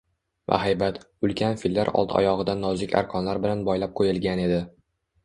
Bahaybat, ulkan fillar old oyogʻidan nozik arqonlar bilan boylab qoʻyilgan edi.